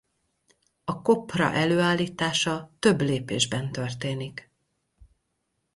A kopra előállítása több lépésben történik.